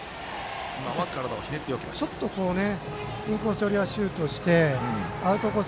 インコース寄りはシュートしてアウトコース